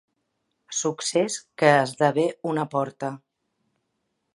Succés que esdevé una porta.